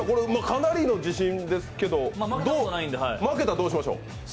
かなりの自信ですけど、負けたらどうしましょう？